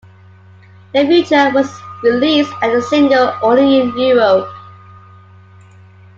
"The Future" was released as a single only in Europe.